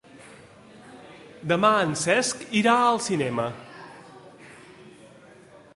Demà en Cesc irà al cinema.